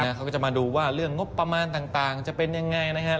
เขาก็จะมาดูว่าเรื่องงบประมาณต่างจะเป็นยังไงนะครับ